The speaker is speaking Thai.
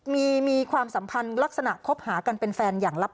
มีความสัมพันธ์ลักษณะคบหากันเป็นแฟนอย่างลับ